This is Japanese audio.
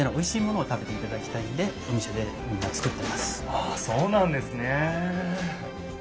あそうなんですね。